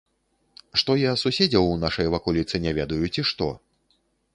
Што я суседзяў у нашай ваколіцы не ведаю, ці што?